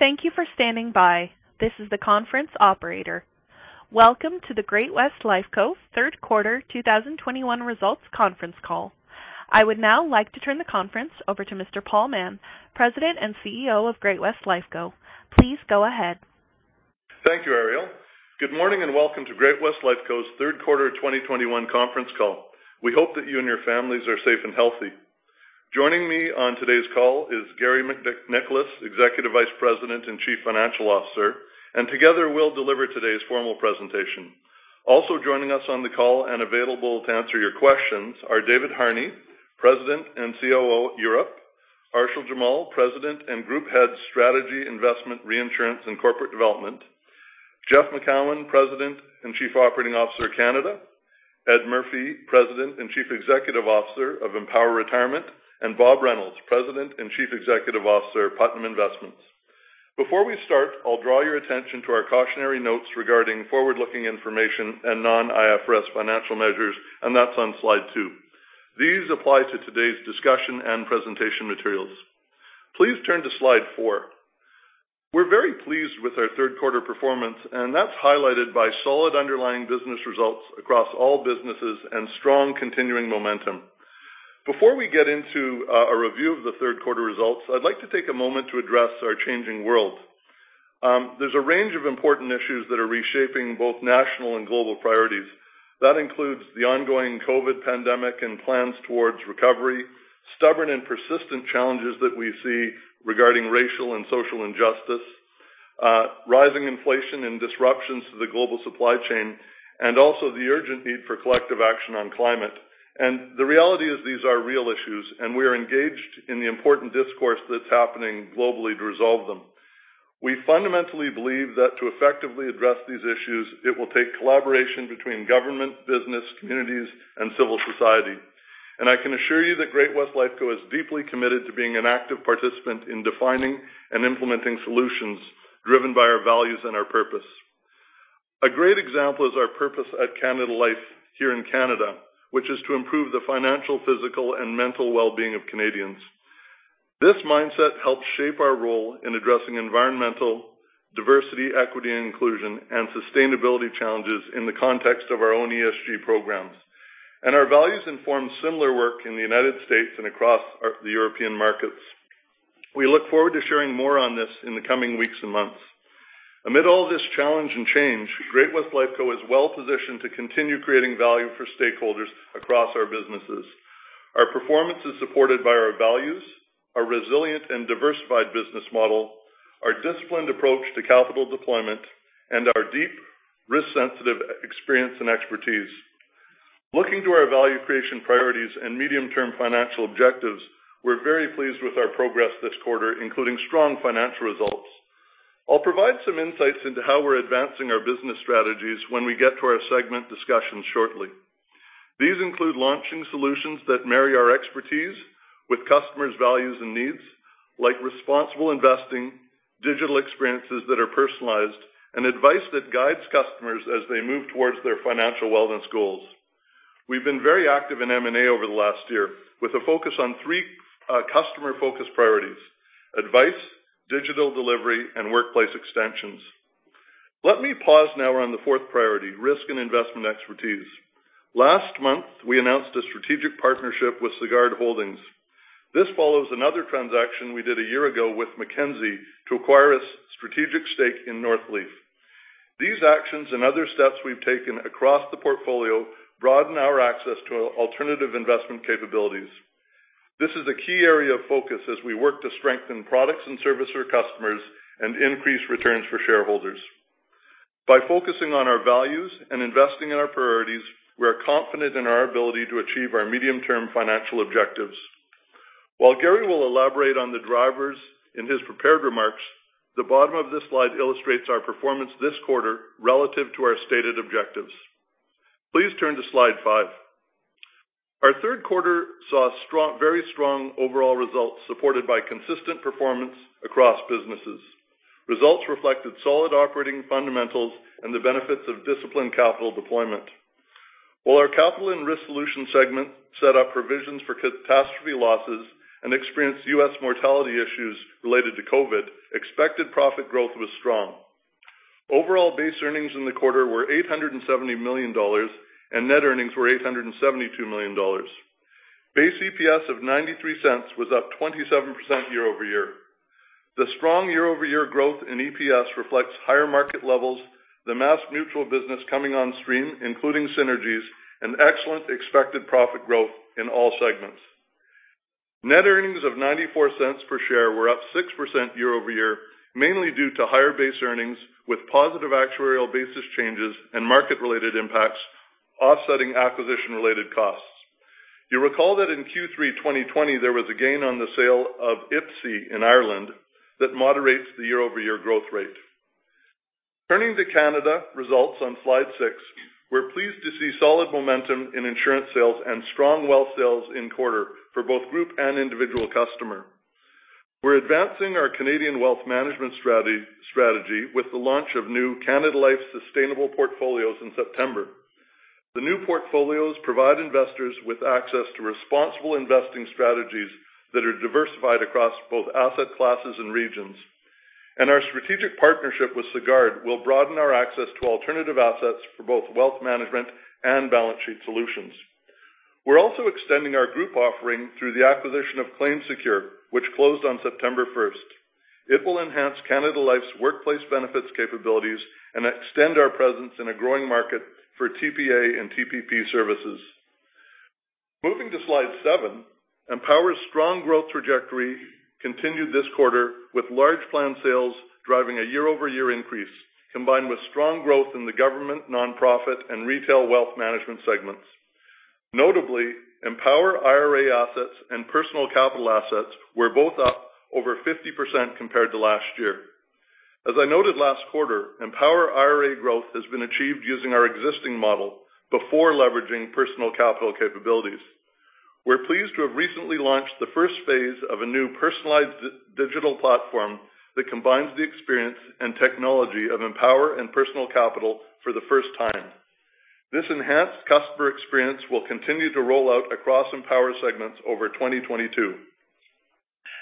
Thank you for standing by. This is the conference operator. Welcome to the Great-West Lifeco Third Quarter 2021 Results Conference Call. I would now like to turn the conference over to Mr. Paul Mahon, President and CEO of Great-West Lifeco. Please go ahead. Thank you, Ariel. Good morning and welcome to Great-West Lifeco's Third Quarter 2021 Conference Call. We hope that you and your families are safe and healthy. Joining me on today's call is Garry MacNicholas, Executive Vice President and Chief Financial Officer, and together we'll deliver today's formal presentation. Also joining us on the call and available to answer your questions are David Harney, President and COO, Europe; Arshil Jamal, President and Group Head, Strategy, Investment, Reinsurance, and Corporate Development; Jeff Macoun, President and Chief Operating Officer, Canada; Ed Murphy, President and Chief Executive Officer of Empower Retirement; and Bob Reynolds, President and Chief Executive Officer, Putnam Investments. Before we start, I'll draw your attention to our cautionary notes regarding forward-looking information and non-IFRS financial measures, and that's on slide two. These apply to today's discussion and presentation materials. Please turn to slide four. We're very pleased with our third quarter performance, and that's highlighted by solid underlying business results across all businesses and strong continuing momentum. Before we get into a review of the third quarter results, I'd like to take a moment to address our changing world. There's a range of important issues that are reshaping both national and global priorities. That includes the ongoing COVID pandemic and plans towards recovery, stubborn and persistent challenges that we see regarding racial and social injustice, rising inflation and disruptions to the global supply chain, and also the urgent need for collective action on climate. The reality is these are real issues, and we are engaged in the important discourse that's happening globally to resolve them. We fundamentally believe that to effectively address these issues, it will take collaboration between government, business, communities, and civil society. I can assure you that Great-West Lifeco is deeply committed to being an active participant in defining and implementing solutions driven by our values and our purpose. A great example is our purpose at Canada Life here in Canada, which is to improve the financial, physical, and mental well-being of Canadians. This mindset helps shape our role in addressing environmental, diversity, equity, and inclusion, and sustainability challenges in the context of our own ESG programs. Our values inform similar work in the United States and across the European markets. We look forward to sharing more on this in the coming weeks and months. Amid all this challenge and change, Great-West Lifeco is well positioned to continue creating value for stakeholders across our businesses. Our performance is supported by our values, our resilient and diversified business model, our disciplined approach to capital deployment, and our deep risk-sensitive experience and expertise. Looking to our value creation priorities and medium-term financial objectives, we're very pleased with our progress this quarter, including strong financial results. I'll provide some insights into how we're advancing our business strategies when we get to our segment discussion shortly. These include launching solutions that marry our expertise with customers' values and needs, like responsible investing, digital experiences that are personalized, and advice that guides customers as they move towards their financial wellness goals. We've been very active in M&A over the last year with a focus on three customer focus priorities: advice, digital delivery, and workplace extensions. Let me pause now around the fourth priority, risk and investment expertise. Last month, we announced a strategic partnership with Sagard Holdings. This follows another transaction we did a year ago with Mackenzie to acquire a strategic stake in Northleaf. These actions and other steps we've taken across the portfolio broaden our access to alternative investment capabilities. This is a key area of focus as we work to strengthen products and service for customers and increase returns for shareholders. By focusing on our values and investing in our priorities, we are confident in our ability to achieve our medium-term financial objectives. While Garry will elaborate on the drivers in his prepared remarks, the bottom of this slide illustrates our performance this quarter relative to our stated objectives. Please turn to slide five. Our third quarter saw strong, very strong overall results supported by consistent performance across businesses. Results reflected solid operating fundamentals and the benefits of disciplined capital deployment. While our Capital and Risk Solutions segment set up provisions for catastrophe losses and experienced U.S. mortality issues related to COVID, expected profit growth was strong. Overall base earnings in the quarter were 870 million dollars, and net earnings were 872 million dollars. Base EPS of 0.93 was up 27% year-over-year. The strong year-over-year growth in EPS reflects higher market levels, the MassMutual business coming on stream, including synergies and excellent expected profit growth in all segments. Net earnings of 0.94 per share were up 6% year-over-year, mainly due to higher base earnings with positive actuarial basis changes and market-related impacts offsetting acquisition-related costs. You recall that in Q3 2020, there was a gain on the sale of IPSI in Ireland that moderates the year-over-year growth rate. Turning to Canada results on slide six, we're pleased to see solid momentum in insurance sales and strong wealth sales in quarter for both group and individual customer. We're advancing our Canadian wealth management strategy with the launch of new Canada Life Sustainable Portfolios in September. The new portfolios provide investors with access to responsible investing strategies that are diversified across both asset classes and regions. Our strategic partnership with Sagard will broaden our access to alternative assets for both wealth management and balance sheet solutions. We're also extending our group offering through the acquisition of ClaimSecure, which closed on September 1st. It will enhance Canada Life's workplace benefits capabilities and extend our presence in a growing market for TPA and TPP services. Moving to slide seven, Empower's strong growth trajectory continued this quarter with large plan sales driving a year-over-year increase, combined with strong growth in the government, nonprofit, and retail wealth management segments. Notably, Empower IRA assets and Personal Capital assets were both up over 50% compared to last year. As I noted last quarter, Empower IRA growth has been achieved using our existing model before leveraging Personal Capital capabilities. We're pleased to have recently launched the first phase of a new personalized digital platform that combines the experience and technology of Empower and Personal Capital for the first time. This enhanced customer experience will continue to roll out across Empower segments over 2022.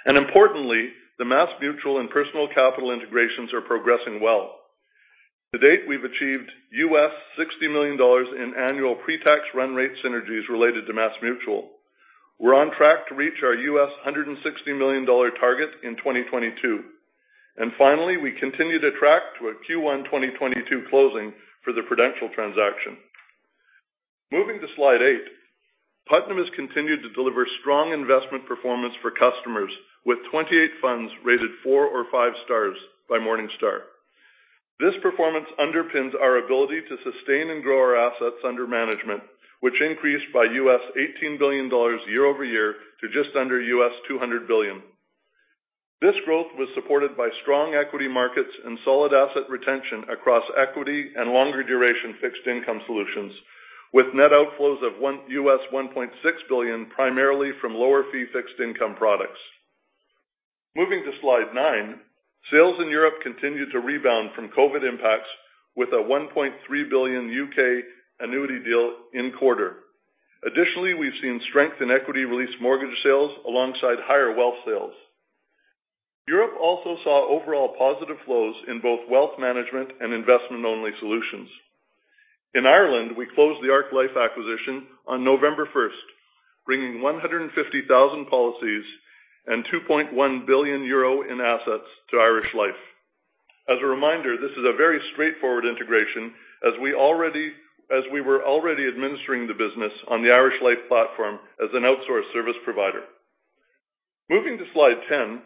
Importantly, the MassMutual and Personal Capital integrations are progressing well. To date, we've achieved $60 million in annual pre-tax run rate synergies related to MassMutual. We're on track to reach our $160 million target in 2022. Finally, we continue to track to a Q1 2022 closing for the Prudential transaction. Moving to slide eight. Putnam has continued to deliver strong investment performance for customers with 28 funds rated four or five stars by Morningstar. This performance underpins our ability to sustain and grow our assets under management, which increased by $18 billion year-over-year to just under $200 billion. This growth was supported by strong equity markets and solid asset retention across equity and longer duration fixed income solutions, with net outflows of $1.6 billion, primarily from lower fee fixed income products. Moving to slide nine. Sales in Europe continued to rebound from COVID impacts with a 1.3 billion U.K. annuity deal in quarter. We've seen strength in equity release mortgage sales alongside higher wealth sales. Europe also saw overall positive flows in both wealth management and investment only solutions. In Ireland, we closed the Ark Life acquisition on November 1st, bringing 150,000 policies and 2.1 billion euro in assets to Irish Life. As a reminder, this is a very straightforward integration as we were already administering the business on the Irish Life platform as an outsourced service provider. Moving to slide 10.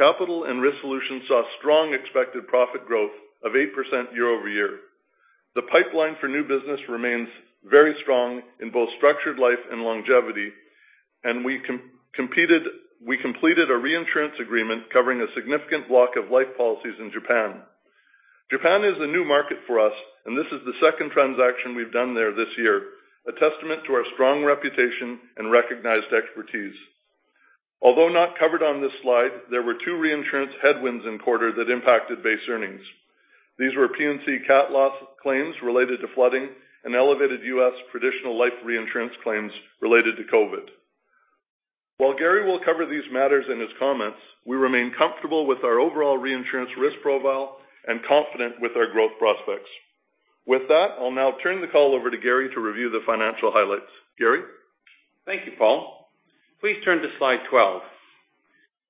Capital and Risk Solutions saw strong expected profit growth of 8% year-over-year. The pipeline for new business remains very strong in both structured life and longevity, and we completed a reinsurance agreement covering a significant block of life policies in Japan. Japan is a new market for us, and this is the second transaction we've done there this year, a testament to our strong reputation and recognized expertise. Although not covered on this slide, there were two reinsurance headwinds in quarter that impacted base earnings. These were P&C CAT loss claims related to flooding and elevated U.S. traditional life reinsurance claims related to COVID. While Garry will cover these matters in his comments, we remain comfortable with our overall reinsurance risk profile and confident with our growth prospects. With that, I'll now turn the call over to Garry to review the financial highlights. Garry. Thank you, Paul. Please turn to slide 12.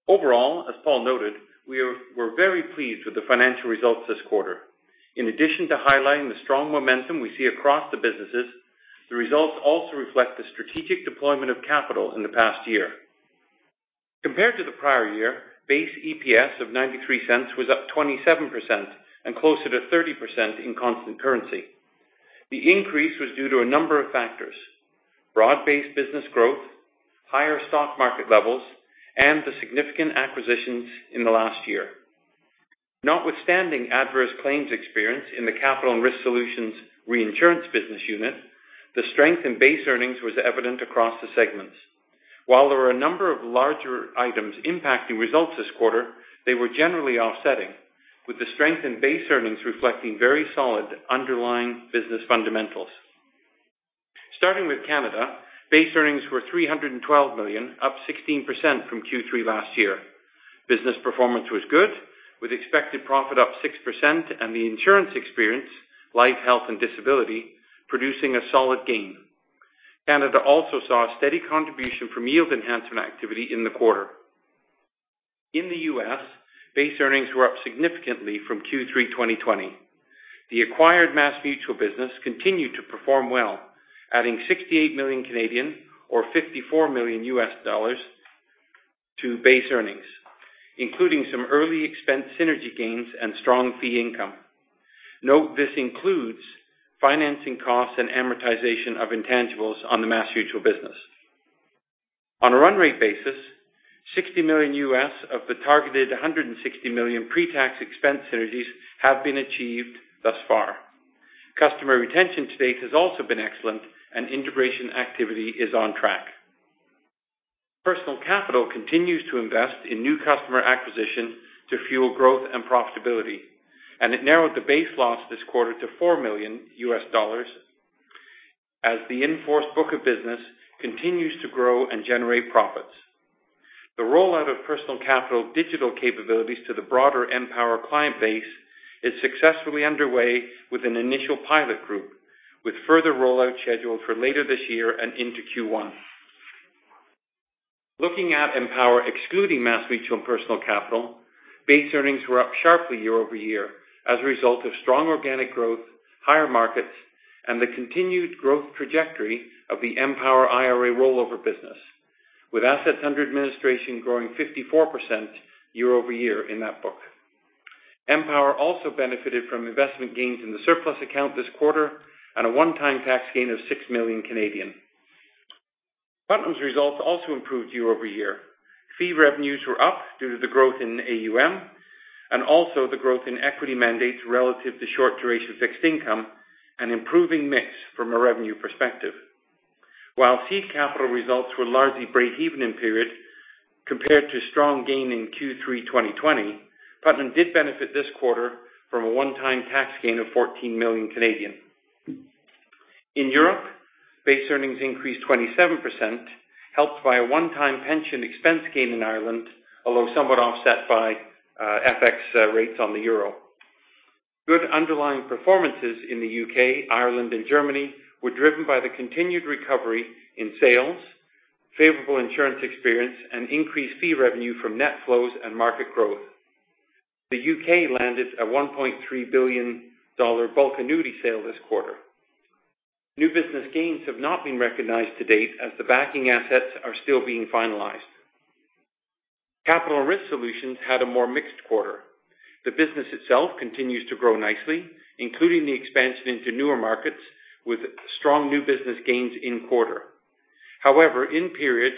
Overall, as Paul noted, we're very pleased with the financial results this quarter. In addition to highlighting the strong momentum we see across the businesses, the results also reflect the strategic deployment of capital in the past year. Compared to the prior year, base EPS of 0.93 was up 27% and closer to 30% in constant currency. The increase was due to a number of factors, broad-based business growth, higher stock market levels, and the significant acquisitions in the last year. Notwithstanding adverse claims experience in the Capital and Risk Solutions reinsurance business unit, the strength in base earnings was evident across the segments. While there were a number of larger items impacting results this quarter, they were generally offsetting, with the strength in base earnings reflecting very solid underlying business fundamentals. Starting with Canada, base earnings were 312 million, up 16% from Q3 last year. Business performance was good, with expected profit up 6% and the insurance experience, life, health, and disability producing a solid gain. Canada also saw a steady contribution from yield enhancement activity in the quarter. In the U.S., base earnings were up significantly from Q3 2020. The acquired MassMutual business continued to perform well, adding 68 million or $54 million to base earnings, including some early expense synergy gains and strong fee income. Note this includes financing costs and amortization of intangibles on the MassMutual business. On a run rate basis, $60 million of the targeted $160 million pre-tax expense synergies have been achieved thus far. Customer retention to date has also been excellent, and integration activity is on track. Personal Capital continues to invest in new customer acquisition to fuel growth and profitability, and it narrowed the base loss this quarter to $4 million as the in-force book of business continues to grow and generate profits. The rollout of Personal Capital digital capabilities to the broader Empower client base is successfully underway with an initial pilot group, with further rollout scheduled for later this year and into Q1. Looking at Empower excluding MassMutual Personal Capital, base earnings were up sharply year-over-year as a result of strong organic growth, higher markets, and the continued growth trajectory of the Empower IRA rollover business, with assets under administration growing 54% year-over-year in that book. Empower also benefited from investment gains in the surplus account this quarter and a one-time tax gain of 6 million. Putnam's results also improved year-over-year. Fee revenues were up due to the growth in AUM and also the growth in equity mandates relative to short duration fixed income and improving mix from a revenue perspective. While seed capital results were largely breakeven in period compared to strong gain in Q3 2020, Putnam did benefit this quarter from a one-time tax gain of 14 million. In Europe, base earnings increased 27%, helped by a one-time pension expense gain in Ireland, although somewhat offset by FX rates on the euro. Good underlying performances in the U.K., Ireland and Germany were driven by the continued recovery in sales, favorable insurance experience and increased fee revenue from net flows and market growth. The U.K. landed a 1.3 billion dollar bulk annuity sale this quarter. New business gains have not been recognized to date as the backing assets are still being finalized. Capital and Risk Solutions had a more mixed quarter. The business itself continues to grow nicely, including the expansion into newer markets with strong new business gains in quarter. However, in period,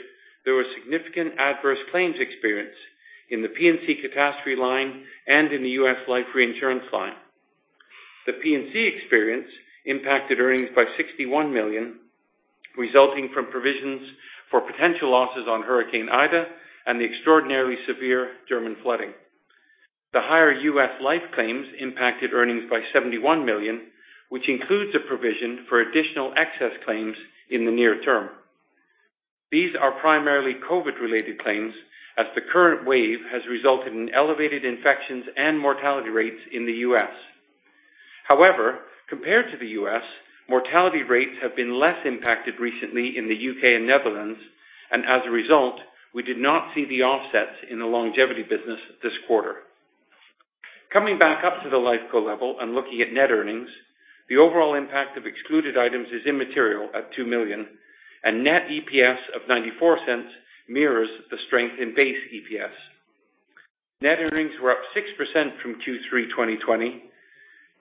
there were significant adverse claims experience in the P&C catastrophe line and in the U.S. life reinsurance line. The P&C experience impacted earnings by 61 million, resulting from provisions for potential losses on Hurricane Ida and the extraordinarily severe German flooding. The higher U.S. life claims impacted earnings by 71 million, which includes a provision for additional excess claims in the near term. These are primarily COVID related claims as the current wave has resulted in elevated infections and mortality rates in the U.S. However, compared to the U.S., mortality rates have been less impacted recently in the U.K. and Netherlands, and as a result, we did not see the offsets in the longevity business this quarter. Coming back up to the Lifeco level and looking at net earnings, the overall impact of excluded items is immaterial at 2 million, and net EPS of 0.94 mirrors the strength in base EPS. Net earnings were up 6% from Q3 2020,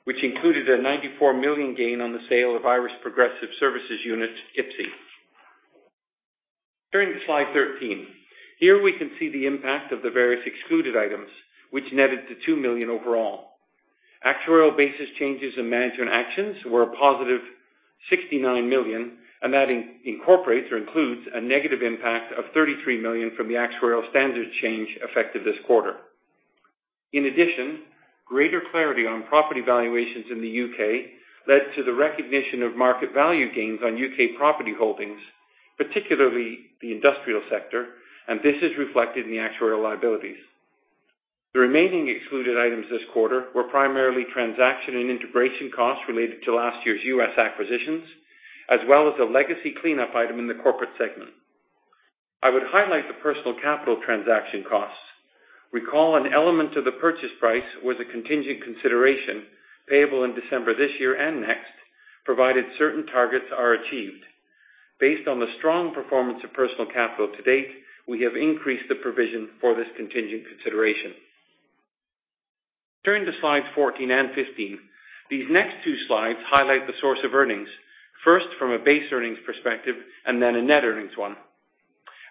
which included a 94 million gain on the sale of Irish Progressive Services International unit, IPSI. Turning to slide 13. Here we can see the impact of the various excluded items which netted to 2 million overall. Actuarial assumption changes and management actions were a positive 69 million, and that incorporates or includes a negative impact of 33 million from the actuarial standards change effective this quarter. In addition, greater clarity on property valuations in the U.K. led to the recognition of market value gains on U.K. property holdings, particularly the industrial sector, and this is reflected in the actuarial liabilities. The remaining excluded items this quarter were primarily transaction and integration costs related to last year's U.S. acquisitions, as well as a legacy cleanup item in the corporate segment. I would highlight the Personal Capital transaction costs. Recall an element of the purchase price was a contingent consideration payable in December this year and next, provided certain targets are achieved. Based on the strong performance of Personal Capital to date, we have increased the provision for this contingent consideration. Turn to slide 14 and 15. These next two slides highlight the source of earnings, first from a base earnings perspective and then a net earnings one.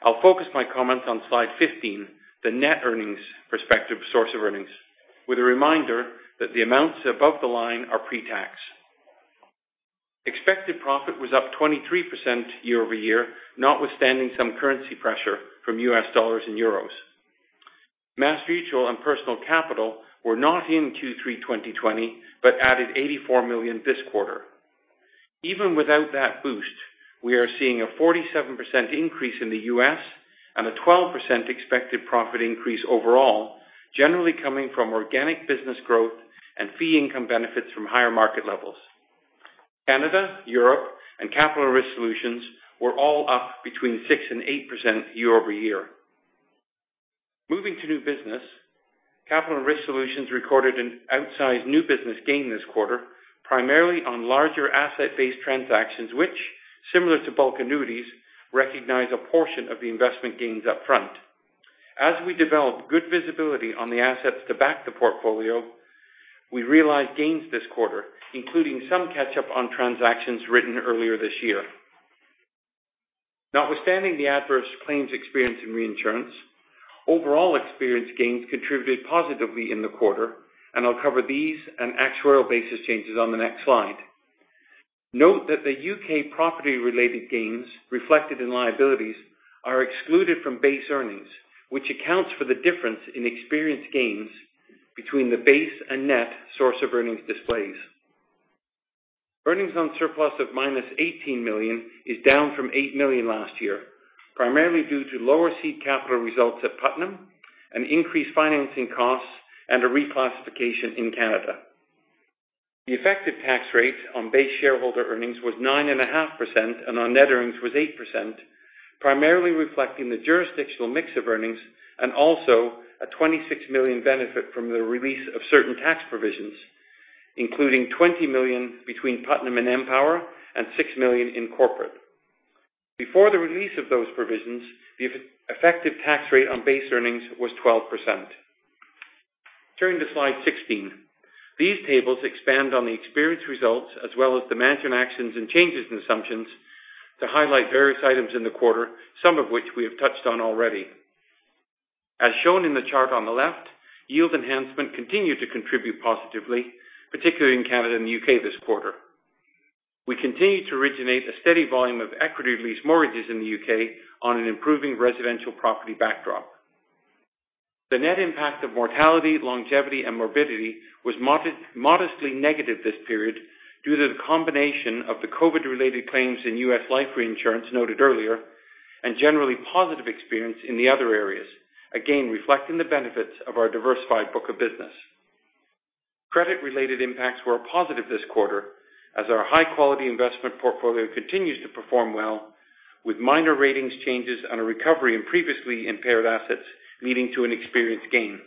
I'll focus my comments on slide 15, the net earnings perspective source of earnings, with a reminder that the amounts above the line are pre-tax. Expected profit was up 23% year-over-year, notwithstanding some currency pressure from U.S. dollars and euros. MassMutual and Personal Capital were not in Q3 2020, but added 84 million this quarter. Even without that boost, we are seeing a 47% increase in the U.S. and a 12% expected profit increase overall, generally coming from organic business growth and fee income benefits from higher market levels. Canada, Europe and Capital and Risk Solutions were all up between 6% and 8% year-over-year. Moving to new business, Capital and Risk Solutions recorded an outsized new business gain this quarter, primarily on larger asset-based transactions which, similar to bulk annuities, recognize a portion of the investment gains up front. As we develop good visibility on the assets to back the portfolio, we realized gains this quarter, including some catch up on transactions written earlier this year. Notwithstanding the adverse claims experience in reinsurance, overall experience gains contributed positively in the quarter, and I'll cover these and actuarial basis changes on the next slide. Note that the U.K. property-related gains reflected in liabilities are excluded from base earnings, which accounts for the difference in experience gains between the base and net source of earnings displays. Earnings on surplus of -18 million is down from 8 million last year, primarily due to lower seed capital results at Putnam and increased financing costs and a reclassification in Canada. The effective tax rate on base shareholder earnings was 9.5%, and on net earnings was 8%, primarily reflecting the jurisdictional mix of earnings and also a 26 million benefit from the release of certain tax provisions, including 20 million between Putnam and Empower and 6 million in corporate. Before the release of those provisions, the effective tax rate on base earnings was 12%. Turning to slide 16. These tables expand on the experience results as well as the management actions and changes in assumptions to highlight various items in the quarter, some of which we have touched on already. As shown in the chart on the left, yield enhancement continued to contribute positively, particularly in Canada and the U.K. this quarter. We continued to originate a steady volume of equity release mortgages in the U.K. on an improving residential property backdrop. The net impact of mortality, longevity and morbidity was modestly negative this period due to the combination of the COVID related claims in U.S. life reinsurance noted earlier and generally positive experience in the other areas, again reflecting the benefits of our diversified book of business. Credit related impacts were positive this quarter as our high quality investment portfolio continues to perform well, with minor ratings changes and a recovery in previously impaired assets leading to an experienced gain.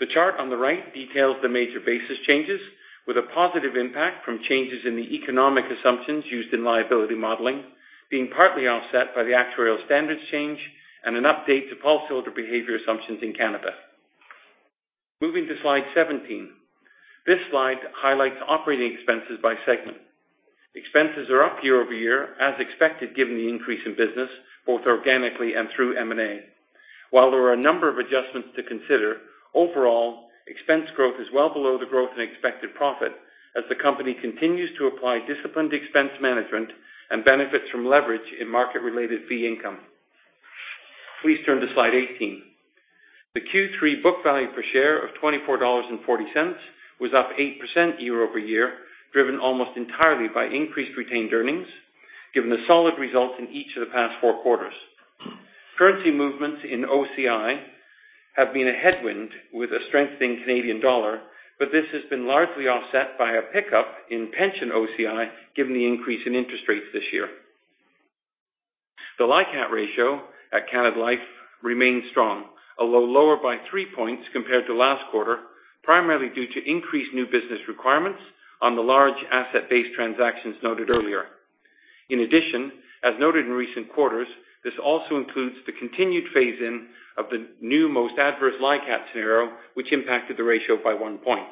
The chart on the right details the major basis changes with a positive impact from changes in the economic assumptions used in liability modeling being partly offset by the actuarial standards change and an update to policyholder behavior assumptions in Canada. Moving to slide 17. This slide highlights operating expenses by segment. Expenses are up year-over-year as expected, given the increase in business both organically and through M&A. While there are a number of adjustments to consider, overall expense growth is well below the growth in expected profit as the company continues to apply disciplined expense management and benefits from leverage in market related fee income. Please turn to slide 18. The Q3 book value per share of 24.40 dollars was up 8% year-over-year, driven almost entirely by increased retained earnings given the solid results in each of the past four quarters. Currency movements in OCI have been a headwind with a strengthening Canadian dollar, but this has been largely offset by a pickup in pension OCI given the increase in interest rates this year. The LICAT ratio at Canada Life remains strong, although lower by three points compared to last quarter, primarily due to increased new business requirements on the large asset base transactions noted earlier. In addition, as noted in recent quarters, this also includes the continued phase in of the new most adverse LICAT scenario which impacted the ratio by one point.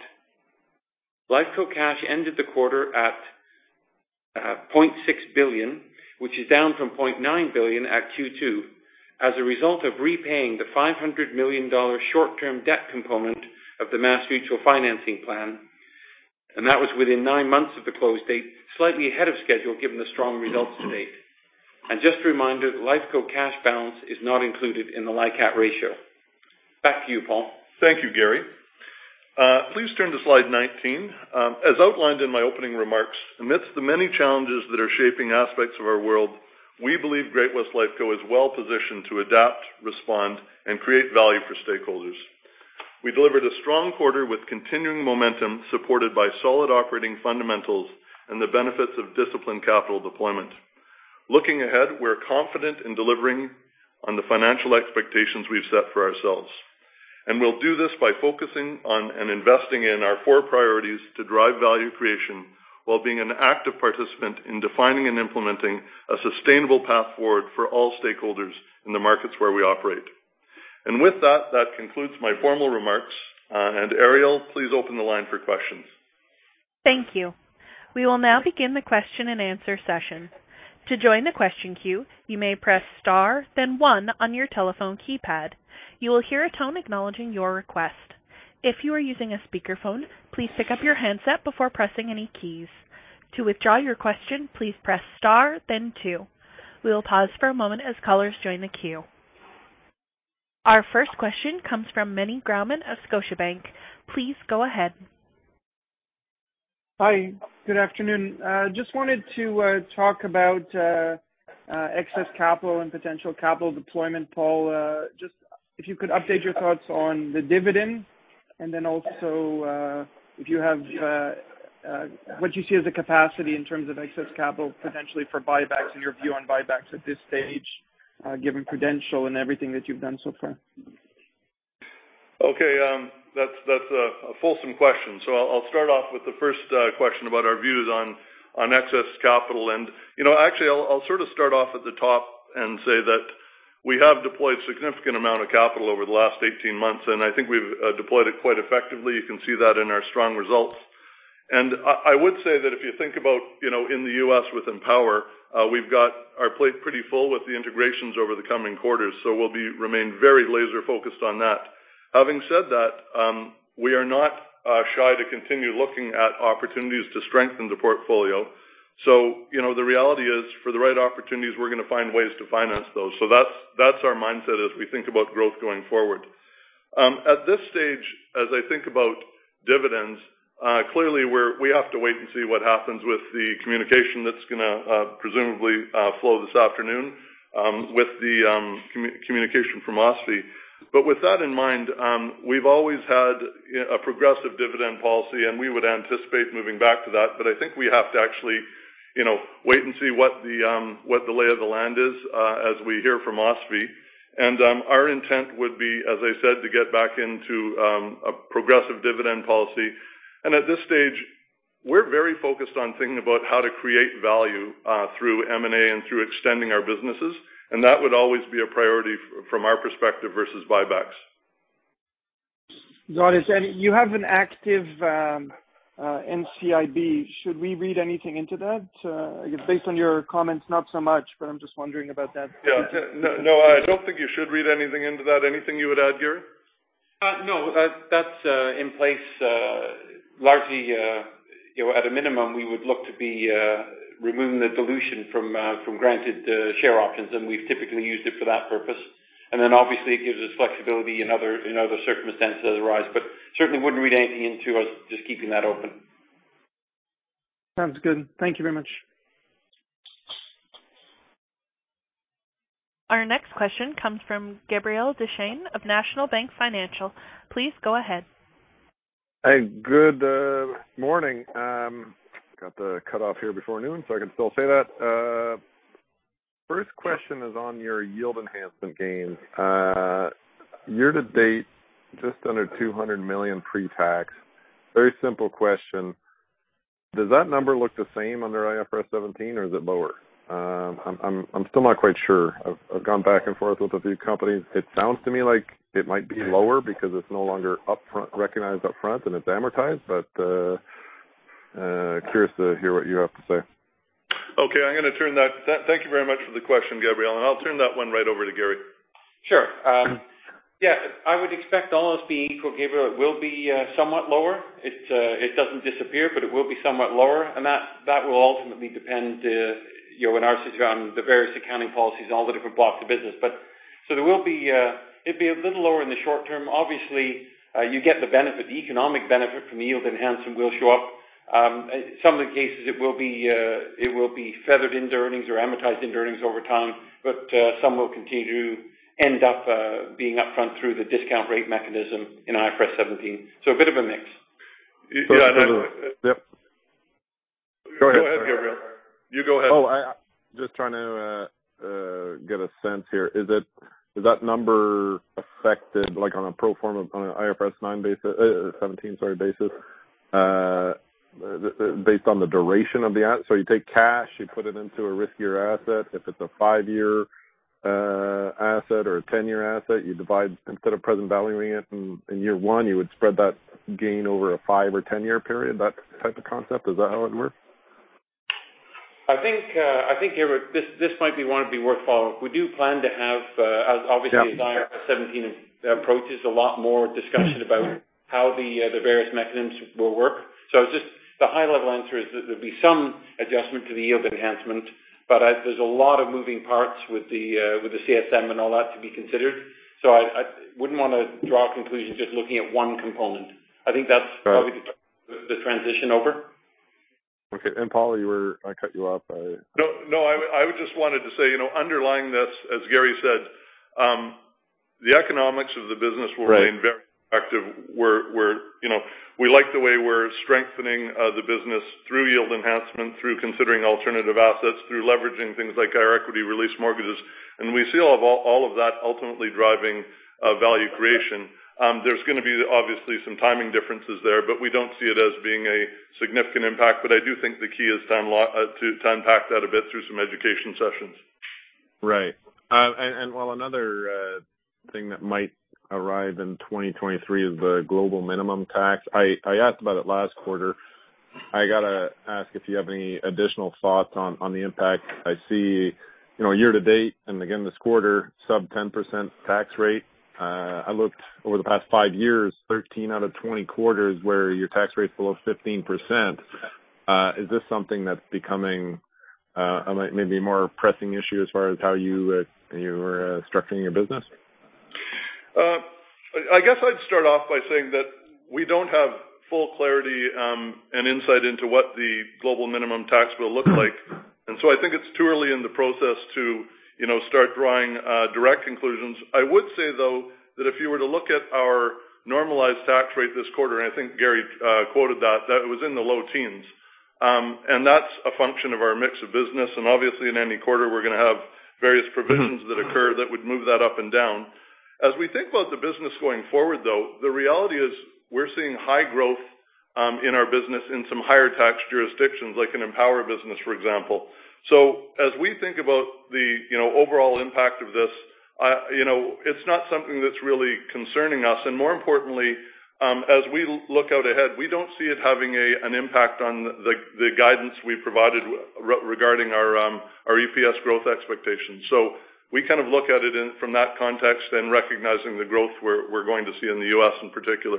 Lifeco cash ended the quarter at 0.6 billion, which is down from 0.9 billion at Q2 as a result of repaying the $500 million short term debt component of the MassMutual financing plan. That was within nine months of the close date, slightly ahead of schedule given the strong results to date. Just a reminder, Lifeco cash balance is not included in the LICAT ratio. Back to you, Paul. Thank you, Garry. Please turn to slide 19. As outlined in my opening remarks, amidst the many challenges that are shaping aspects of our world, we believe Great-West Lifeco is well positioned to adapt, respond and create value for stakeholders. We delivered a strong quarter with continuing momentum supported by solid operating fundamentals and the benefits of disciplined capital deployment. Looking ahead, we're confident in delivering on the financial expectations we've set for ourselves. We'll do this by focusing on and investing in our core priorities to drive value creation while being an active participant in defining and implementing a sustainable path forward for all stakeholders in the markets where we operate. With that concludes my formal remarks. Ariel, please open the line for questions. Thank you. We will now begin the question and answer session. To join the question queue, you may press star then one on your telephone keypad. You will hear a tone acknowledging your request. If you are using a speakerphone, please pick up your handset before pressing any keys. To withdraw your question, please press star then two. We will pause for a moment as callers join the queue. Our first question comes from Meny Grauman of Scotiabank. Please go ahead. Hi. Good afternoon. Just wanted to talk about excess capital and potential capital deployment, Paul. Just if you could update your thoughts on the dividend and then also, if you have, what you see as the capacity in terms of excess capital potentially for buybacks and your view on buybacks at this stage, given Prudential and everything that you've done so far. Okay. That's a fulsome question. I'll start off with the first question about our views on excess capital. You know, actually, I'll sort of start off at the top and say that we have deployed a significant amount of capital over the last 18 months, and I think we've deployed it quite effectively. You can see that in our strong results. I would say that if you think about, you know, in the U.S. with Empower, we've got our plate pretty full with the integrations over the coming quarters. We'll remain very laser focused on that. Having said that, we are not shy to continue looking at opportunities to strengthen the portfolio. You know, the reality is for the right opportunities, we're going to find ways to finance those. That's our mindset as we think about growth going forward. At this stage, as I think about dividends, clearly we have to wait and see what happens with the communication that's gonna presumably flow this afternoon with the communication from OSFI. With that in mind, we've always had a progressive dividend policy, and we would anticipate moving back to that. I think we have to actually, you know, wait and see what the lay of the land is as we hear from OSFI. Our intent would be, as I said, to get back into a progressive dividend policy. At this stage, we're very focused on thinking about how to create value through M&A and through extending our businesses. That would always be a priority from our perspective, versus buybacks. Got it. You have an active NCIB. Should we read anything into that? Based on your comments, not so much, but I'm just wondering about that. Yeah. No, no, I don't think you should read anything into that. Anything you would add, Garry? No, that's in place largely, you know, at a minimum, we would look to be removing the dilution from granted share options, and we've typically used it for that purpose. Obviously it gives us flexibility in other circumstances as they arise, but certainly wouldn't read anything into us just keeping that open. Sounds good. Thank you very much. Our next question comes from Gabriel Dechaine of National Bank Financial. Please go ahead. Hey, good morning. Got the cutoff here before noon, so I can still say that. First question is on your yield enhancement gains. Year-to-date, just under 200 million pre-tax. Very simple question. Does that number look the same under IFRS 17 or is it lower? I'm still not quite sure. I've gone back and forth with a few companies. It sounds to me like it might be lower because it's no longer recognized upfront and it's amortized. Curious to hear what you have to say. Thank you very much for the question, Gabriel, and I'll turn that one right over to Garry. Sure. Yeah, I would expect all else being equal, Gabriel, it will be somewhat lower. It doesn't disappear, but it will be somewhat lower. That will ultimately depend, you know, in our situation, the various accounting policies and all the different blocks of business. There will be, it'd be a little lower in the short term. Obviously, you get the benefit, the economic benefit from yield enhancement will show up. Some of the cases, it will be feathered into earnings or amortized into earnings over time, but some will continue to end up being upfront through the discount rate mechanism in IFRS 17. A bit of a mix. Yeah. Go ahead. Go ahead, Gabriel. You go ahead. Oh, just trying to get a sense here. Is that number affected, like on a pro forma, on an IFRS 9 basis, 17, sorry, basis, based on the duration of the asset? You take cash, you put it into a riskier asset. If it's a five-year asset or a 10-year asset, you divide instead of present valuing it in year one, you would spread that gain over a five or 10-year period. That type of concept, is that how it works? I think, Gabriel, this might be one worth following. We do plan to have, as obviously as IFRS 17 approaches, a lot more discussion about how the various mechanisms will work. Just the high level answer is that there'll be some adjustment to the yield enhancement, but there's a lot of moving parts with the CSM and all that to be considered. I wouldn't want to draw conclusions just looking at one component. I think that's probably the transition over. Okay. Paul, you were. I cut you off. No, no. I just wanted to say, you know, underlying this, as Garry said, the economics of the business will remain very active. We're, you know, we like the way we're strengthening the business through yield enhancement, through considering alternative assets, through leveraging things like our equity release mortgages. We see all of that ultimately driving value creation. There's gonna be obviously some timing differences there, but we don't see it as being a significant impact. I do think the key is to unpack that a bit through some education sessions. Right. And while another thing that might arrive in 2023 is the Global Minimum Tax. I asked about it last quarter. I got to ask if you have any additional thoughts on the impact. I see, you know, year-to-date, and again, this quarter, sub 10% tax rate. I looked over the past five years, 13 out of 20 quarters where your tax rate is below 15%. Is this something that's becoming maybe more pressing issue as far as how you're structuring your business? I guess I'd start off by saying that we don't have full clarity and insight into what the global minimum tax will look like. I think it's too early in the process to you know start drawing direct conclusions. I would say though that if you were to look at our normalized tax rate this quarter and I think Garry quoted that that it was in the low teens. That's a function of our mix of business. Obviously in any quarter we're going to have various provisions that occur that would move that up and down. As we think about the business going forward though the reality is we're seeing high growth in our business in some higher tax jurisdictions like in Empower business for example. As we think about the you know overall impact of this, you know, it's not something that's really concerning us. More importantly, as we look out ahead, we don't see it having an impact on the guidance we provided regarding our EPS growth expectations. We kind of look at it from that context and recognizing the growth we're going to see in the U.S. in particular.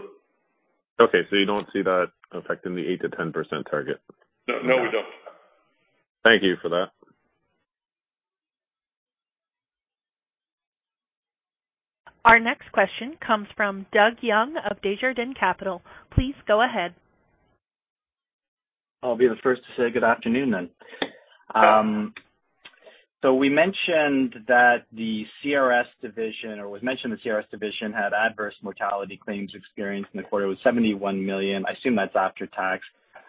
Okay. You don't see that affecting the 8%-10% target? No, we don't. Thank you for that. Our next question comes from Doug Young of Desjardins Capital. Please go ahead. I'll be the first to say good afternoon then. We mentioned that the CRS division had adverse mortality claims experienced in the quarter was 71 million. I assume that's after tax.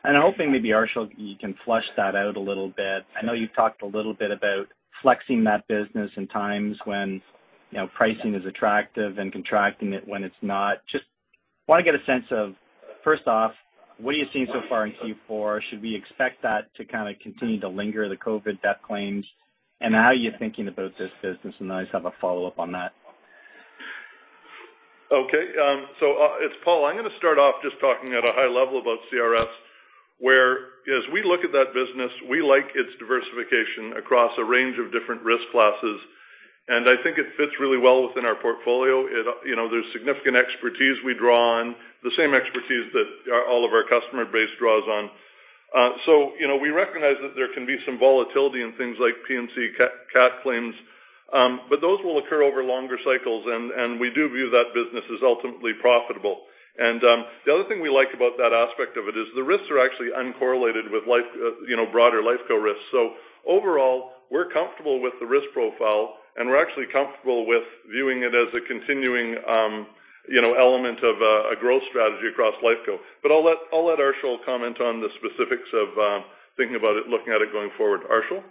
I'm hoping maybe Arshil, you can flesh that out a little bit. I know you've talked a little bit about flexing that business in times when, you know, pricing is attractive and contracting it when it's not. Just want to get a sense of, first off, what are you seeing so far in Q4? Should we expect that to kind of continue to linger the COVID death claims? And how are you thinking about this business? Then I just have a follow-up on that. Okay, it's Paul. I'm going to start off just talking at a high level about CRS, whereas we look at that business, we like its diversification across a range of different risk classes. I think it fits really well within our portfolio. It you know there's significant expertise we draw on, the same expertise that all of our customer base draws on. You know, we recognize that there can be some volatility in things like P&C cat claims. Those will occur over longer cycles, and we do view that business as ultimately profitable. The other thing we like about that aspect of it is the risks are actually uncorrelated with life, you know, broader Life Co. risks. Overall, we're comfortable with the risk profile, and we're actually comfortable with viewing it as a continuing, you know, element of a growth strategy across Lifeco. I'll let Arshil comment on the specifics of thinking about it, looking at it going forward. Arshil?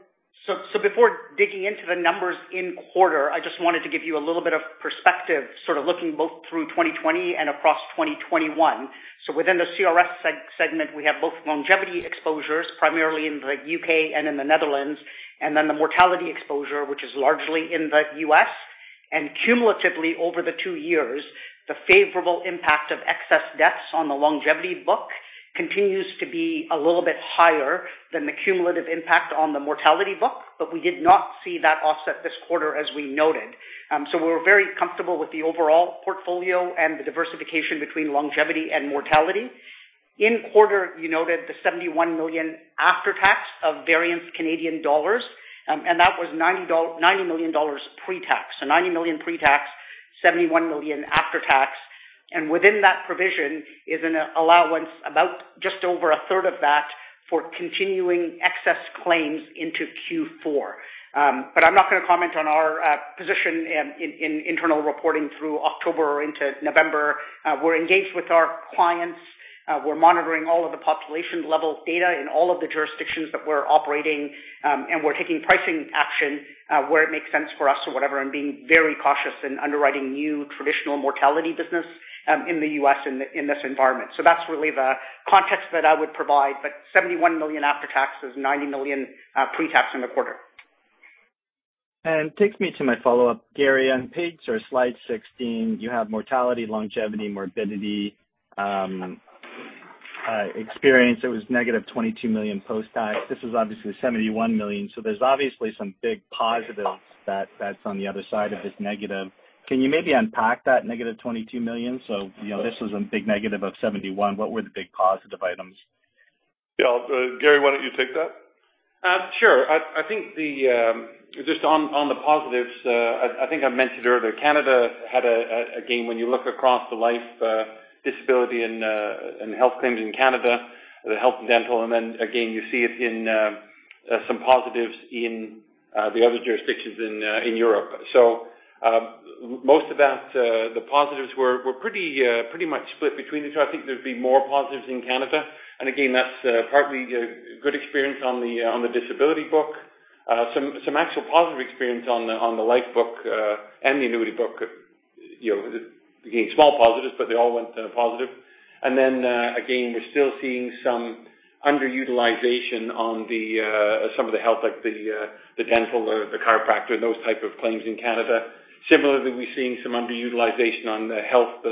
Before digging into the numbers in the quarter, I just wanted to give you a little bit of perspective, sort of looking both through 2020 and across 2021. Within the CRS segment, we have both longevity exposures, primarily in the U.K. and in the Netherlands, and then the mortality exposure, which is largely in the U.S. Cumulatively over the two years, the favorable impact of excess deaths on the longevity book continues to be a little bit higher than the cumulative impact on the mortality book, but we did not see that offset this quarter as we noted. We're very comfortable with the overall portfolio and the diversification between longevity and mortality. In the quarter, you noted the 71 million after-tax variance Canadian dollars, and that was 90 million dollars pre-tax. 90 million pre-tax, 71 million after tax. Within that provision is an allowance about just over 1/3 of that for continuing excess claims into Q4. I'm not going to comment on our position in internal reporting through October or into November. We're engaged with our clients. We're monitoring all of the population level data in all of the jurisdictions that we're operating, and we're taking pricing action, where it makes sense for us or whatever, and being very cautious in underwriting new traditional mortality business, in the U.S. in this environment. That's really the context that I would provide. 71 million after tax is 90 million pre-tax in the quarter. Takes me to my follow-up, Garry. On page or slide 16, you have mortality, longevity, morbidity experience. It was -22 million post-tax. This was obviously 71 million. There's obviously some big positives that's on the other side of this negative. Can you maybe unpack that -22 million? You know, this was a big negative of 71 million. What were the big positive items? Yeah. Garry, why don't you take that? Sure. I think just on the positives, I think I mentioned earlier, Canada had a gain when you look across the life, disability and health claims in Canada, the health and dental. Again, you see it in some positives in the other jurisdictions in Europe. Most of that, the positives were pretty much split between the two. I think there'd be more positives in Canada. Again, that's partly good experience on the disability book. Some actual positive experience on the life book and the annuity book, you know, again, small positives, but they all went positive. Again, we're still seeing some underutilization on some of the health like the dental or the chiropractic and those type of claims in Canada. Similarly, we're seeing some underutilization on the health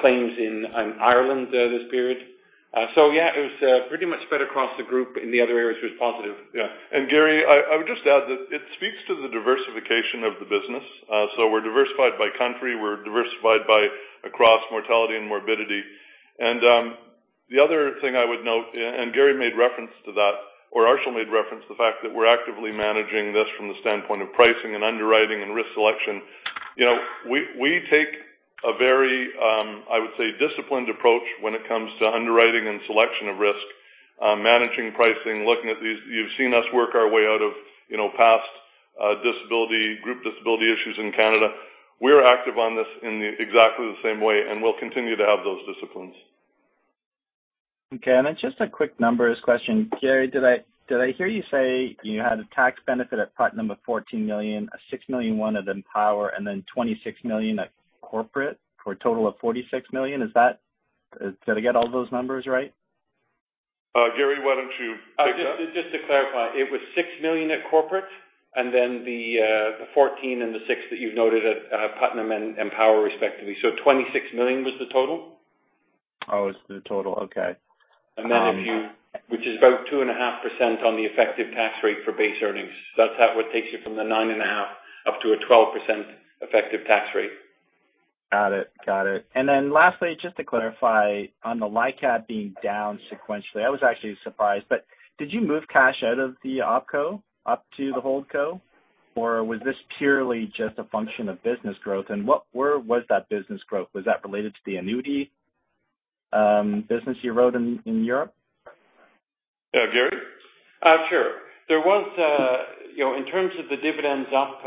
claims in Ireland this period. Yeah, it was pretty much spread across the group, and the other areas were positive. Garry, I would just add that it speaks to the diversification of the business. We're diversified by country. We're diversified by across mortality and morbidity. The other thing I would note, and Garry made reference to that, or Arshil made reference to the fact that we're actively managing this from the standpoint of pricing and underwriting and risk selection. We take a very, I would say, disciplined approach when it comes to underwriting and selection of risk, managing pricing, looking at these. You've seen us work our way out of past disability, group disability issues in Canada. We are active on this in exactly the same way, and we'll continue to have those disciplines. Okay. Just a quick numbers question. Garry, did I hear you say you had a tax benefit at Putnam of 14 million, a 6.1 million at Empower, and then 26 million at corporate for a total of 46 million? Is that? Did I get all those numbers right? Garry, why don't you pick it up? Just to clarify, it was 6 million at corporate and then the 14 million and the 6 million that you've noted at Putnam and Empower respectively. 26 million was the total. Oh, it's the total. Okay. Which is about 2.5% on the effective tax rate for base earnings. That's how it takes you from the 9.5% up to a 12% effective tax rate. Got it. Lastly, just to clarify on the LICAT being down sequentially, I was actually surprised, but did you move cash out of the op co up to the hold co? Or was this purely just a function of business growth? Where was that business growth? Was that related to the annuity business you wrote in Europe? Yeah. Garry? Sure. There was, you know, in terms of the dividends up,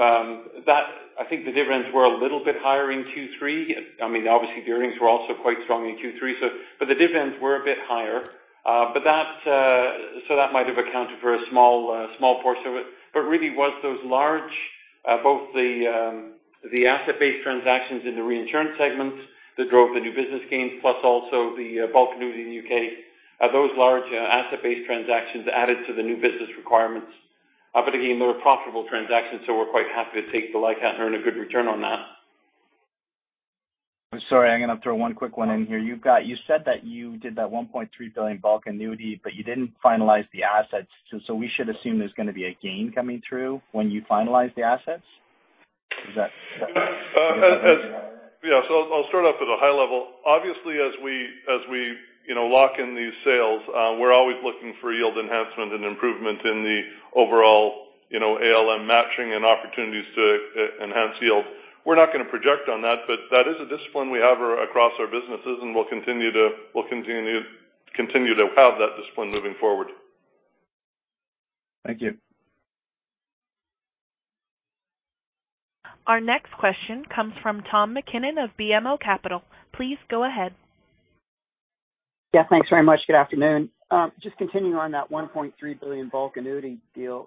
that I think the dividends were a little bit higher in Q3. I mean, obviously the earnings were also quite strong in Q3, but the dividends were a bit higher. That might have accounted for a small portion of it, but really was those large both the asset-based transactions in the reinsurance segments that drove the new business gains, plus also the bulk annuity in the U.K. Those large asset-based transactions added to the new business requirements. Again, they were profitable transactions, so we're quite happy to take the LICAT and earn a good return on that. I'm sorry. I'm gonna throw one quick one in here. You said that you did that 1.3 billion bulk annuity, but you didn't finalize the assets, so we should assume there's gonna be a gain coming through when you finalize the assets. Is that... I'll start off at a high level. Obviously, as we, you know, lock in these sales, we're always looking for yield enhancement and improvement in the overall, you know, ALM matching and opportunities to enhance yield. We're not gonna project on that, but that is a discipline we have across our businesses, and we'll continue to have that discipline moving forward. Thank you. Our next question comes from Tom MacKinnon of BMO Capital Markets. Please go ahead. Yeah, thanks very much. Good afternoon. Just continuing on that 1.3 billion bulk annuity deal.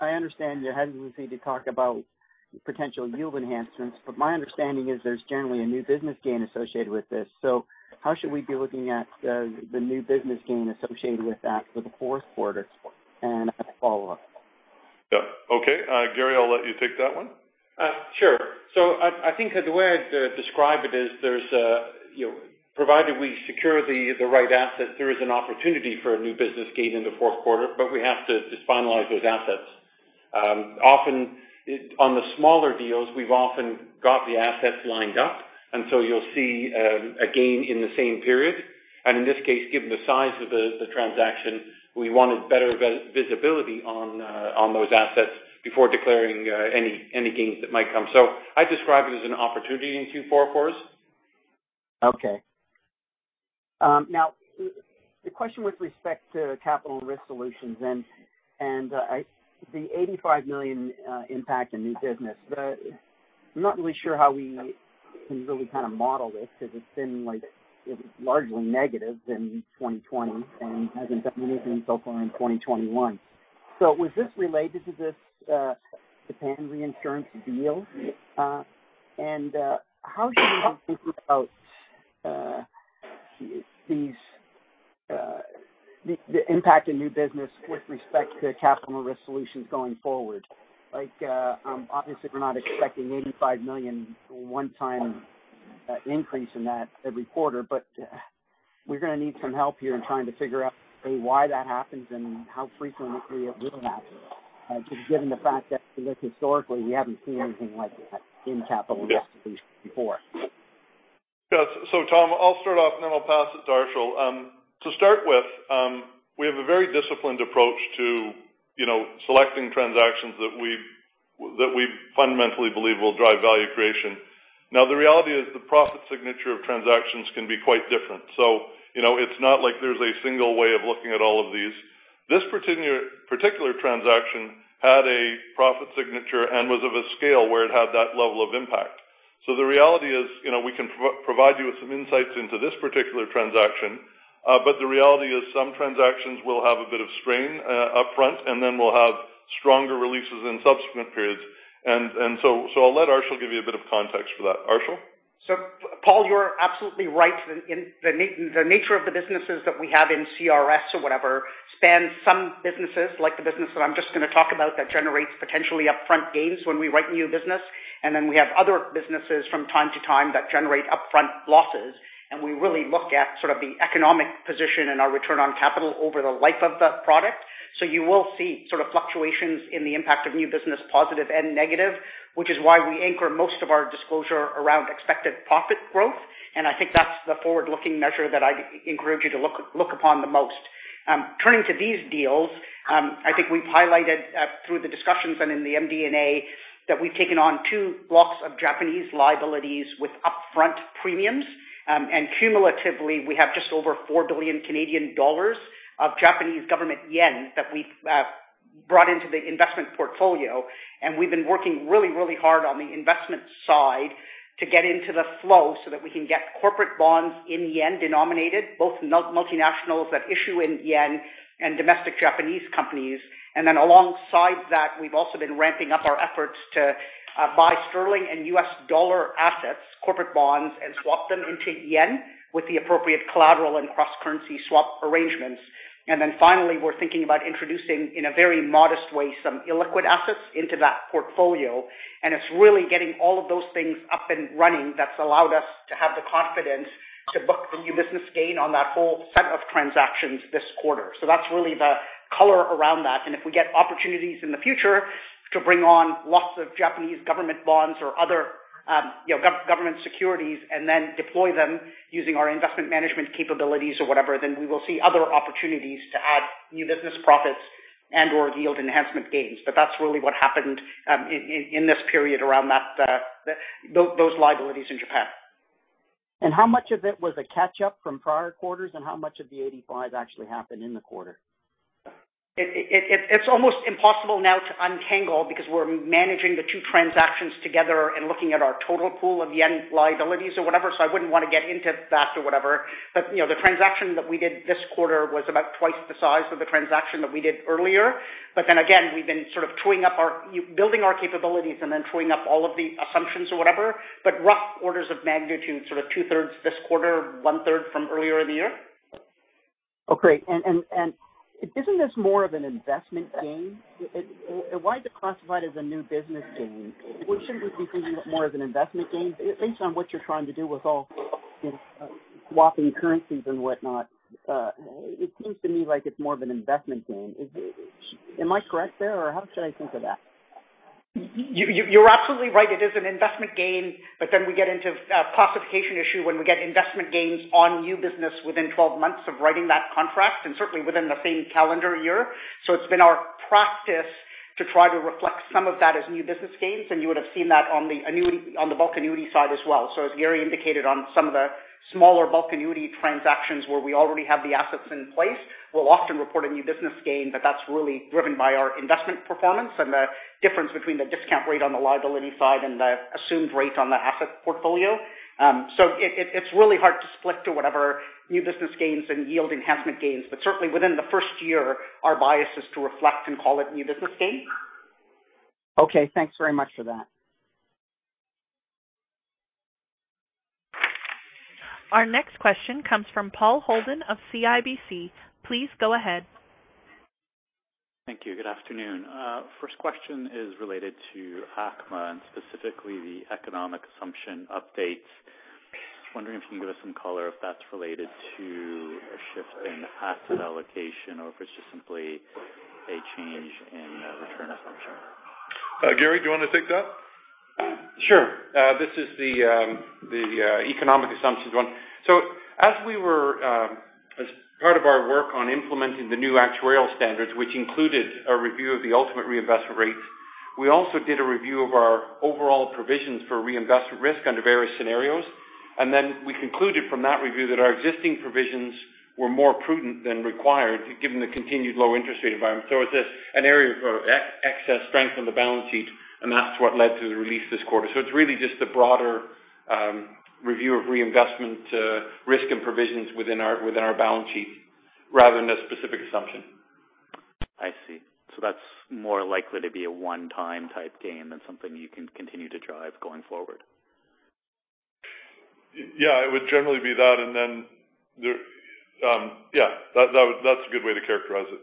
I understand your hesitancy to talk about potential yield enhancements, but my understanding is there's generally a new business gain associated with this. How should we be looking at the new business gain associated with that for the fourth quarter? And I have a follow-up. Yeah. Okay. Garry, I'll let you take that one. Sure. I think that the way I'd describe it is there's a, you know, provided we secure the right assets, there is an opportunity for a new business gain in the fourth quarter, but we have to finalize those assets. Often on the smaller deals, we've often got the assets lined up, and so you'll see a gain in the same period. In this case, given the size of the transaction, we wanted better visibility on those assets before declaring any gains that might come. I describe it as an opportunity in Q4 for us. Okay. Now the question with respect to Capital and Risk Solutions and the 85 million impact in new business. I'm not really sure how we can really kind of model this because it's been like largely negative in 2020 and hasn't done anything so far in 2021. Was this related to this Japan reinsurance deal? And how should we think about the impact in new business with respect to Capital and Risk Solutions going forward? Like, obviously we're not expecting 85 million one-time increase in that every quarter, but we're gonna need some help here in trying to figure out why that happens and how frequently it will happen, given the fact that historically we haven't seen anything like that in Capital and Risk Solutions before. Yeah. Tom, I'll start off, and then I'll pass it to Arshil. To start with, we have a very disciplined approach to, you know, selecting transactions that we fundamentally believe will drive value creation. Now, the reality is the profit signature of transactions can be quite different. You know, it's not like there's a single way of looking at all of these. This particular transaction had a profit signature and was of a scale where it had that level of impact. The reality is, you know, we can provide you with some insights into this particular transaction, but the reality is some transactions will have a bit of strain upfront, and then we'll have stronger releases in subsequent periods. I'll let Arshil give you a bit of context for that. Arshil. Paul, you're absolutely right. In the nature of the businesses that we have in CRS or whatever spans some businesses like the business that I'm just gonna talk about that generates potentially upfront gains when we write new business. Then we have other businesses from time to time that generate upfront losses. We really look at sort of the economic position and our return on capital over the life of the product. You will see sort of fluctuations in the impact of new business positive and negative, which is why we anchor most of our disclosure around expected profit growth. I think that's the forward-looking measure that I'd encourage you to look upon the most. Turning to these deals, I think we've highlighted through the discussions and in the MD&A that we've taken on two blocks of Japanese liabilities with upfront premiums. Cumulatively, we have just over 4 billion Canadian dollars of Japanese government yen that we've brought into the investment portfolio. We've been working really, really hard on the investment side to get into the flow so that we can get corporate bonds in yen denominated, both multinationals that issue in yen and domestic Japanese companies. Alongside that, we've also been ramping up our efforts to buy sterling and US dollar assets, corporate bonds, and swap them into yen with the appropriate collateral and cross-currency swap arrangements. Finally, we're thinking about introducing, in a very modest way, some illiquid assets into that portfolio. It's really getting all of those things up and running that's allowed us to have the confidence to book the new business gain on that whole set of transactions this quarter. That's really the color around that. If we get opportunities in the future to bring on lots of Japanese government bonds or other, you know, government securities and then deploy them using our investment management capabilities or whatever, then we will see other opportunities to add new business profits and/or yield enhancement gains. That's really what happened in this period around those liabilities in Japan. How much of it was a catch-up from prior quarters, and how much of the 85 million actually happened in the quarter? It's almost impossible now to untangle because we're managing the two transactions together and looking at our total pool of yen liabilities or whatever. I wouldn't want to get into that or whatever. You know, the transaction that we did this quarter was about twice the size of the transaction that we did earlier. We've been sort of building our capabilities and then truing up all of the assumptions or whatever. Rough orders of magnitude, sort of 2/3 this quarter, 1/3 from earlier in the year. Oh, great. Isn't this more of an investment gain? Why is it classified as a new business gain? Shouldn't we be thinking more of an investment gain based on what you're trying to do with all swapping currencies and whatnot? It seems to me like it's more of an investment gain. Am I correct there, or how should I think of that? You're absolutely right. It is an investment gain. Then we get into a classification issue when we get investment gains on new business within 12 months of writing that contract and certainly within the same calendar year. It's been our practice to try to reflect some of that as new business gains, and you would have seen that on the annuity, on the bulk annuity side as well. As Garry indicated on some of the smaller bulk annuity transactions where we already have the assets in place, we'll often report a new business gain, but that's really driven by our investment performance and the difference between the discount rate on the liability side and the assumed rate on the asset portfolio. It's really hard to split to whatever new business gains and yield enhancement gains. Certainly within the first year, our bias is to reflect and call it new business gain. Okay, thanks very much for that. Our next question comes from Paul Holden of CIBC. Please go ahead. Thank you. Good afternoon. First question is related to ACMA and specifically the economic assumption updates. Just wondering if you can give us some color if that's related to a shift in asset allocation or if it's just simply a change in return assumption? Garry, do you want to take that? Sure. This is the economic assumptions one. As we were as part of our work on implementing the new actuarial standards, which included a review of the ultimate reinvestment rates, we also did a review of our overall provisions for reinvestment risk under various scenarios. We concluded from that review that our existing provisions were more prudent than required given the continued low interest rate environment. It's an area of excess strength on the balance sheet, and that's what led to the release this quarter. It's really just a broader review of reinvestment risk and provisions within our balance sheet rather than a specific assumption. I see. That's more likely to be a one-time type gain than something you can continue to drive going forward. Yeah, it would generally be that. Yeah, that's a good way to characterize it.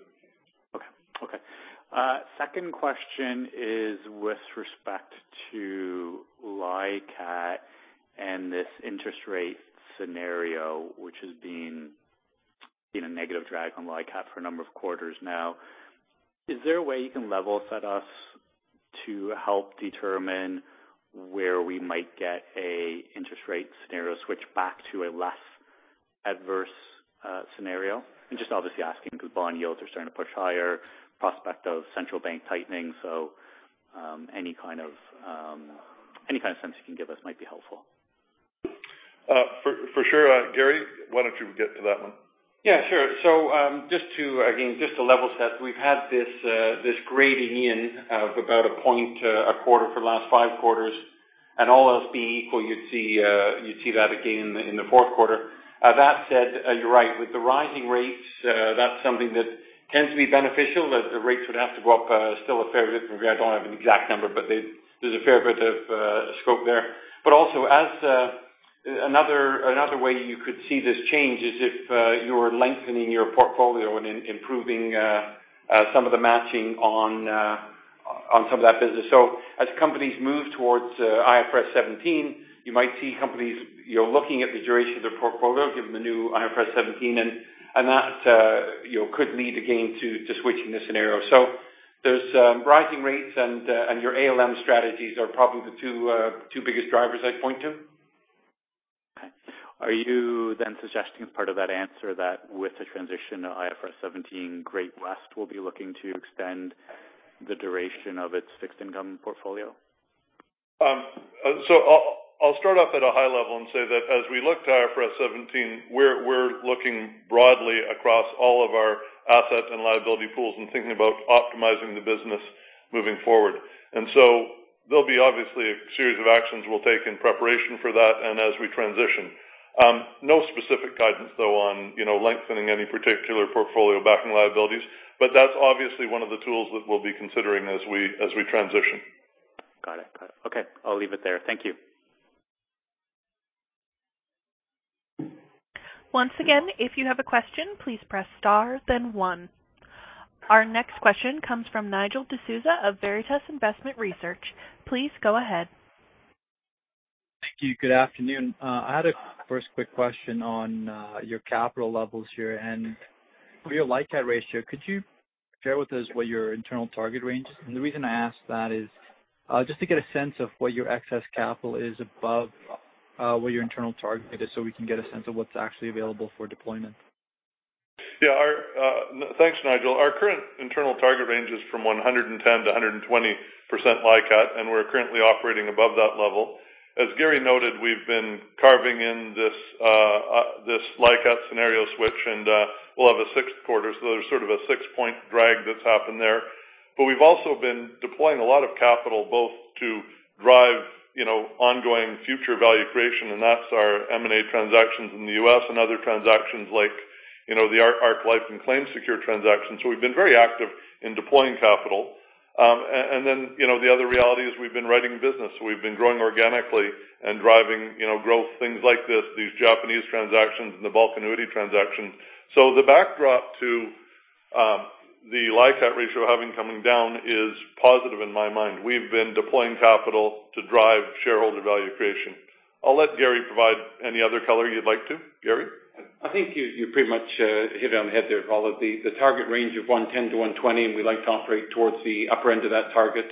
Second question is with respect to LICAT and this interest rate scenario, which has been a negative drag on LICAT for a number of quarters now. Is there a way you can level set us to help determine where we might get an interest rate scenario switch back to a less adverse scenario? I'm just obviously asking because bond yields are starting to push higher, prospect of central bank tightening. Any kind of sense you can give us might be helpful. For sure. Garry, why don't you get to that one? Yeah, sure. Just to, again, just to level set, we've had this grading in of about a point a quarter for the last five quarters. All else being equal, you'd see that again in the fourth quarter. That said, you're right. With the rising rates, that's something that tends to be beneficial. The rates would have to go up still a fair bit from here. I don't have an exact number, but there's a fair bit of scope there. Also as another way you could see this change is if you're lengthening your portfolio and improving some of the matching on some of that business. As companies move towards IFRS 17, you might see companies, you know, looking at the duration of their portfolio given the new IFRS 17, and that, you know, could lead again to switching the scenario. There's rising rates, and your ALM strategies are probably the two biggest drivers I'd point to. Okay. Are you then suggesting as part of that answer that with the transition to IFRS 17, Great-West will be looking to extend the duration of its fixed income portfolio? I'll start off at a high level and say that as we look to IFRS 17, we're looking broadly across all of our assets and liability pools and thinking about optimizing the business moving forward. There'll be obviously a series of actions we'll take in preparation for that and as we transition. No specific guidance, though, on, you know, lengthening any particular portfolio backing liabilities. That's obviously one of the tools that we'll be considering as we transition. Got it. Got it. Okay, I'll leave it there. Thank you. Once again, if you have a question, please press star then one. Our next question comes from Nigel D'Souza of Veritas Investment Research. Please go ahead. Thank you. Good afternoon. I had a first quick question on your capital levels here and for your LICAT ratio. Could you share with us what your internal target range is? The reason I ask that is just to get a sense of what your excess capital is above what your internal target is so we can get a sense of what's actually available for deployment. Thanks, Nigel. Our current internal target range is from 110%-120% LICAT, and we're currently operating above that level. As Garry noted, we've been carving in this LICAT scenario switch, and we'll have a sixth quarter. There's sort of a six-point point drag that's happened there. We've also been deploying a lot of capital both to drive, you know, ongoing future value creation, and that's our M&A transactions in the U.S. and other transactions like, you know, the Ark Life and ClaimSecure transactions. We've been very active in deploying capital. Then, you know, the other reality is we've been writing business. We've been growing organically and driving, you know, growth, things like this, these Japanese transactions and the bulk annuity transactions. The backdrop to the LICAT ratio having come down is positive in my mind. We've been deploying capital to drive shareholder value creation. I'll let Garry provide any other color you'd like to. Garry? I think you pretty much hit it on the head there, Paul. The target range of 110%-120%, and we like to operate towards the upper end of that target.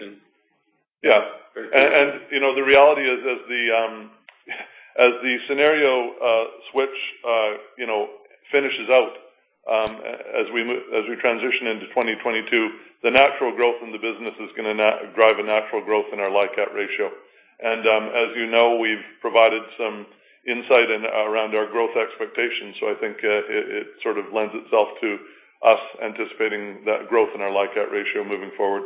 Yeah. You know, the reality is as the scenario switch finishes out, as we transition into 2022, the natural growth in the business is gonna drive a natural growth in our LICAT ratio. As you know, we've provided some insight in and around our growth expectations. I think it sort of lends itself to us anticipating that growth in our LICAT ratio moving forward.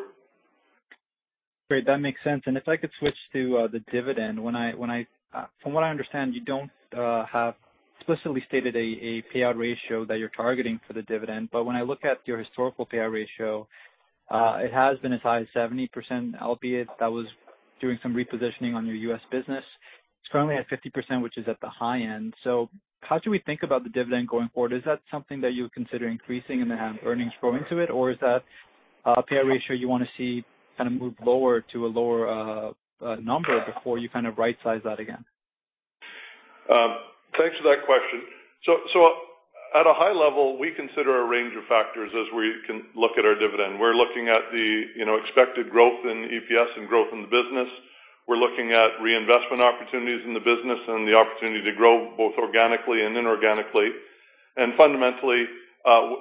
Great. That makes sense. If I could switch to the dividend. When I— from what I understand, you don't have explicitly stated a payout ratio that you're targeting for the dividend. But when I look at your historical payout ratio, it has been as high as 70%, albeit that was during some repositioning on your U.S. business. It's currently at 50%, which is at the high end. How should we think about the dividend going forward? Is that something that you would consider increasing in the earnings growing to it, or is that a payout ratio you wanna see kind of move lower to a lower number before you kind of right-size that again? Thanks for that question. At a high level, we consider a range of factors as we look at our dividend. We're looking at the, you know, expected growth in EPS and growth in the business. We're looking at reinvestment opportunities in the business and the opportunity to grow both organically and inorganically. Fundamentally,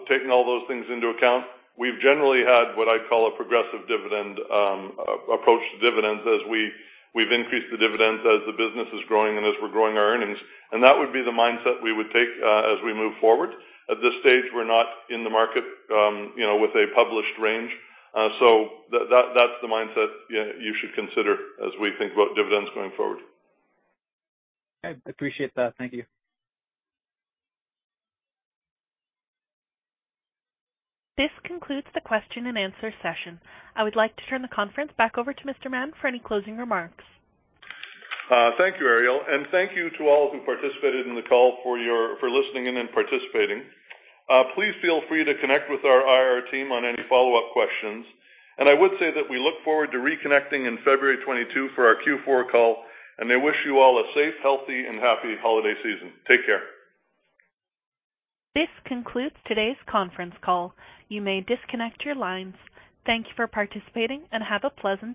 taking all those things into account, we've generally had what I'd call a progressive dividend approach to dividends as we've increased the dividend as the business is growing and as we're growing our earnings. That would be the mindset we would take as we move forward. At this stage, we're not in the market, you know, with a published range. That's the mindset you should consider as we think about dividends going forward. I appreciate that. Thank you. This concludes the question and answer session. I would like to turn the conference back over to Mr. Mahon for any closing remarks. Thank you, Ariel, and thank you to all who participated in the call for listening in and participating. Please feel free to connect with our IR team on any follow-up questions. I would say that we look forward to reconnecting in February 2022 for our Q4 call, and I wish you all a safe, healthy, and happy holiday season. Take care. This concludes today's conference call. You may disconnect your lines. Thank you for participating, and have a pleasant day.